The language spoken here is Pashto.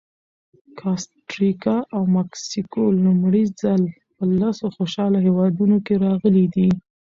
کاستریکا او مکسیکو لومړی ځل په لسو خوشحاله هېوادونو کې راغلي دي.